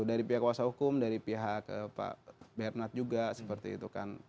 dari pihak kuasa hukum dari pihak pak bernard juga seperti itu kan